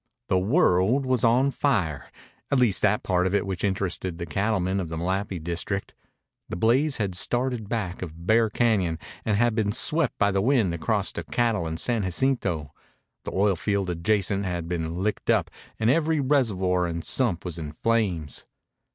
The world was on fire, at least that part of it which interested the cattlemen of the Malapi district. The blaze had started back of Bear Cañon and had been swept by the wind across to Cattle and San Jacinto. The oil field adjacent had been licked up and every reservoir and sump was in flames.